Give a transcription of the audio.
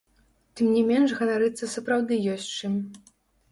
Тым не менш ганарыцца сапраўды ёсць чым.